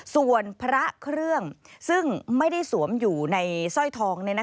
ส่วนพระเครื่องซึ่งไม่ได้สวมอยู่ในสร้อยทอง